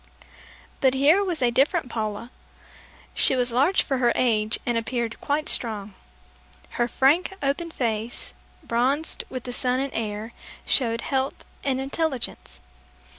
But here was a different Paula. She was large for her age and appeared quite strong. Her frank open face, bronzed with the sun and air, showed health and intelligence.